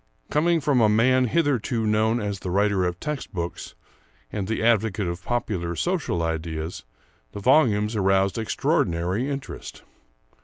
Coming from a man hitherto known as the writer of text books and the advocate of popular social ideas, the volumes aroused extraordinary interest.